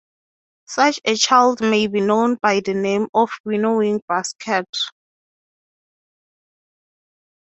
Such a child may be known by the name of Winnowing Basket.